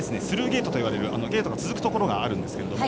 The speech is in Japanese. スルーゲートといわれるゲートが続くところがありますが。